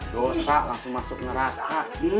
dosa langsung masuk neraka